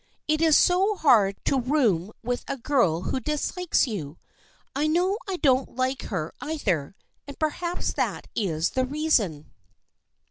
It is so hard to have to room with a girl who dislikes you. I know I don't like her either, and perhaps that is the reason.